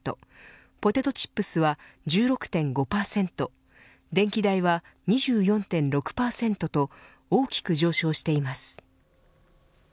ポテトチップスは１６．５％電気代は２４．６％と大きく上昇しています。